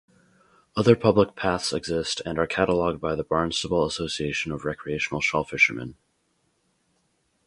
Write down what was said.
Other public paths exist and are catalogued by the Barnstable Association of Recreational Shellfishermen.